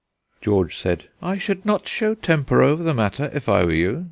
George said: "I should not show temper over the matter, if I were you.